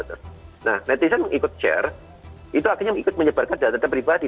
nah netizen mengikut share itu akhirnya ikut menyebarkan data data pribadi